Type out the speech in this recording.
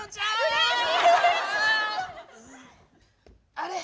あれ？